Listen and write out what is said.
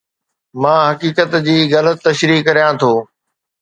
مان حقيقت جي غلط تشريح ڪريان ٿو